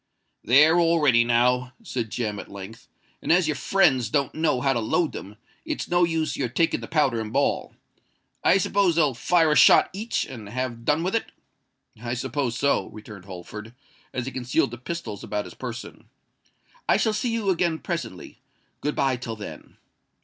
"They're all ready now," said Jem, at length; "and as your friends don't know how to load them, it's no use your taking the powder and ball. I suppose they'll fire a shot each, and have done with it?" "I suppose so," returned Holford, as he concealed the pistols about his person. "I shall see you again presently. Good bye till then."